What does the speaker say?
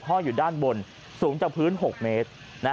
ห้อยอยู่ด้านบนสูงจากพื้น๖เมตร